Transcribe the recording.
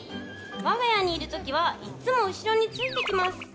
我が家にいる時はいっつも後ろについてきます。